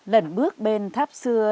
lần bước bên tháp xưa